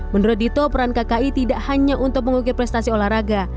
menurut dito peran kki tidak hanya untuk mengukir prestasi olahraga